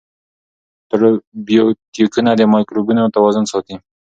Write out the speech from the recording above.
پروبیوتیکونه د مایکروبونو توازن ساتي.